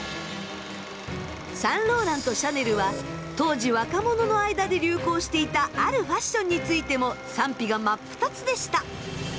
サンローランとシャネルは当時若者の間で流行していたあるファッションについても賛否が真っ二つでした。